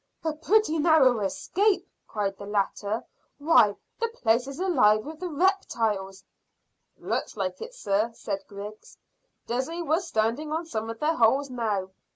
"A pretty narrow escape," cried the latter. "Why, the place is alive with the reptiles." "Looks like it, sir," said Griggs. "Dessay we're standing on some of their holes now."